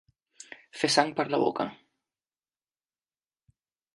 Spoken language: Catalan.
Fer sang per la boca.